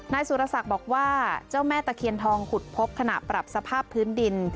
สุรศักดิ์บอกว่าเจ้าแม่ตะเคียนทองขุดพบขณะปรับสภาพพื้นดิน